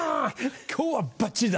今日はバッチリだ。